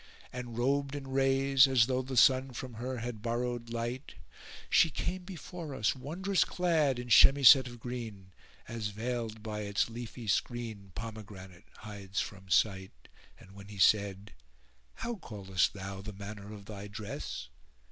[FN#414] * And robed in rays as though the sun from her had borrowed light: She came before us wondrous clad in chemisette of green, * As veiled by its leafy screen pomegranate hides from sight: And when he said "How callest thou the manner of thy dress?"